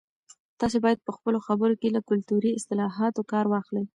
تاسي باید په خپلو خبرو کې له کلتوري اصطلاحاتو کار واخلئ.